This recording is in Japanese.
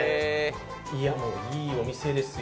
いや、いいお店ですよ。